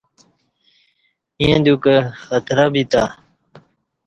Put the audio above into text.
ییں دیوکہ خطرہ بیتہ